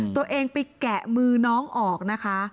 ตัวเองไปแกะมือน้องออกนะคะ